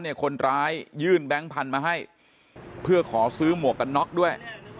คนร้ายยื่นแบงค์พันธุ์มาให้เพื่อขอซื้อหมวกกันน็อกด้วย